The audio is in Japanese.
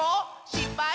しっぱい？